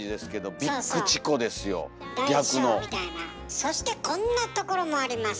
そしてこんなところもあります。